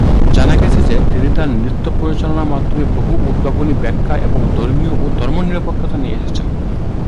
জানা গেছে যে, তিনি তাঁর নৃত্য পরিচালনার মাধ্যমে বহু উদ্ভাবনী ব্যাখ্যা এবং ধর্মীয় ও ধর্মনিরপেক্ষতা নিয়ে এসেছেন।